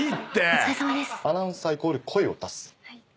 お疲れさまです。